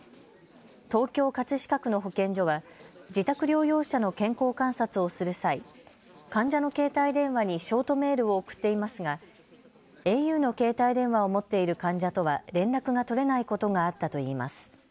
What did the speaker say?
東京葛飾区の保健所は、自宅療養者の健康観察をする際、患者の携帯電話にショートメールを送っていますがａｕの携帯電話を持っている患者とは連絡が取れないことがあったといいます。